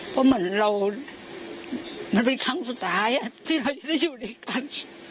เพราะเหมือนเรามันเป็นครั้งสุดท้ายที่เราจะได้อยู่ด้วยกัน